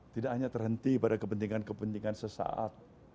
tidak hanya terhenti pada kepentingan kepentingan sesaat